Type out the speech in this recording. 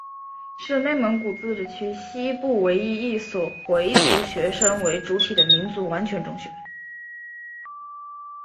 是内蒙古自治区西部区唯一的一所以回族学生为主体的民族完全中学。